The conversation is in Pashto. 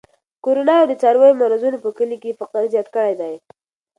کرونا او د څارویو مرضونو په کلي کې فقر زیات کړی دی.